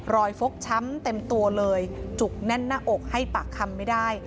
ฟกช้ำเต็มตัวเลยจุกแน่นหน้าอกให้ปากคำไม่ได้